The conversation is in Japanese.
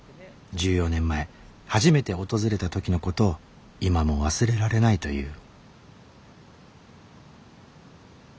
１４年前初めて訪れた時のことを今も忘れられないという。